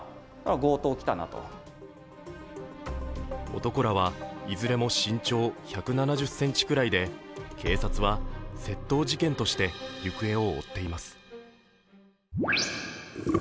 男らは、いずれも身長１７０ｃｍくらいで警察は窃盗事件として行方を追っています。